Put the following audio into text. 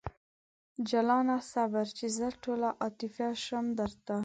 جلانه صبر! چې زه ټوله عاطفي شم درته